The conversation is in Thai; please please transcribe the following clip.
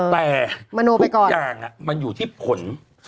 แต่ทุกอย่างมันอยู่ที่ผล